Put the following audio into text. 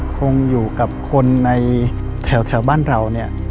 คงอยู่กับคนในแถวบ้านเราเนี่ย